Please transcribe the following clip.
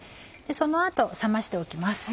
その後冷ましておきます。